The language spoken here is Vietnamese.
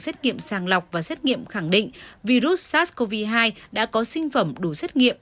xét nghiệm sàng lọc và xét nghiệm khẳng định virus sars cov hai đã có sinh phẩm đủ xét nghiệm